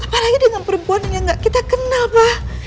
apalagi dengan perempuan yang gak kita kenal pak